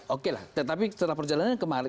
oke lah tetapi setelah perjalanan ke sini